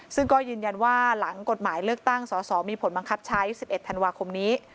ซึ่งก็ยืนยันว่าหลังกฎหมายเลือกตั้งสอสอมีผลบังคับใช้๑๑ธันวาคมนี้